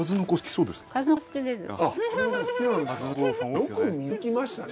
よく見抜きましたね。